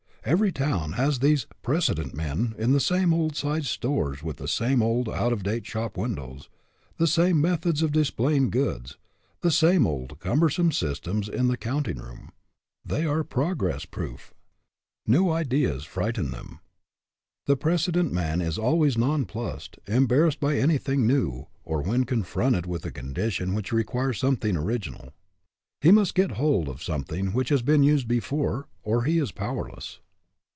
Every town has these " precedent men " in the same old sized stores with the same old, out of date show windows, the same methods of display ing goods, the same old, cumbersome systems in the countingroom. They are progress proof. New ideas frighten them. The prec edent man is always nonplussed, embarrassed by anything new, or when confronted with a condition which requires something original. He must get hold of something which has been used before, or he is powerless.